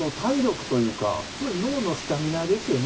脳のスタミナですよね。